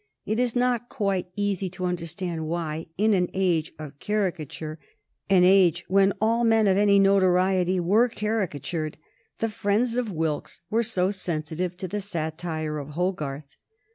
It is not quite easy to understand why, in an age of caricature, an age when all men of any notoriety were caricatured, the friends of Wilkes were so sensitive to the satire of Hogarth.